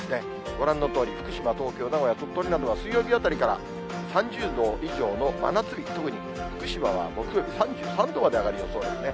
ご覧のとおり、福島、東京、名古屋、鳥取などは水曜日あたりから３０度以上の真夏日、特に福島は木曜日３３度まで上がる予想ですね。